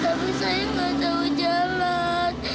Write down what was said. tapi saya gak tahu jalan